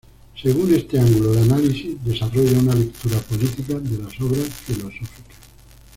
Según este ángulo de análisis desarrolla una lectura política de las obras filosóficas.